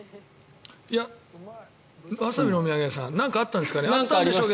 いやワサビのお土産屋さんなんかあったんですかね。